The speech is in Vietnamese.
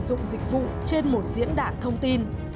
khi khách hàng đăng ký sử dụng dịch vụ trên một diễn đạn thông tin